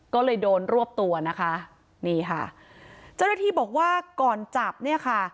ก็เลยโดนรวบตัวนะคะนี่ค่ะเจ้าหน้าที่บอกว่าก่อนจับเนี่ยค่ะ